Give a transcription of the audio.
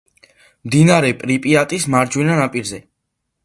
მდინარე პრიპიატის მარჯვენა ნაპირზე.